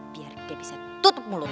biar dia bisa tutup mulut